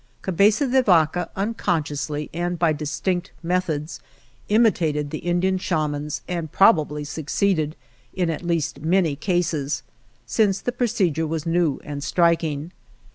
Cabeza de Vaca, unconsciously and by distinct methods, imitated the Indian Shamans and probably succeeded, in at least many cases, since the procedure was new and striking.